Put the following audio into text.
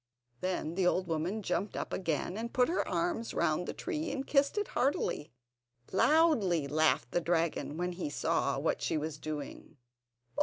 Then the old woman jumped up again and put her arms round the tree, and kissed it heartily. Loudly laughed the dragon when he saw what she was doing.